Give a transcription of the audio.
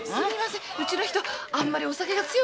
うちの人あんまりお酒が強くないもんで。